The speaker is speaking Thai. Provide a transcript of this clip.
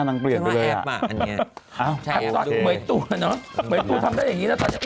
เมยตูทำได้อย่างนี้นะตอนนี้